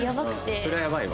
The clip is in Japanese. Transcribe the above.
それはやばいわ。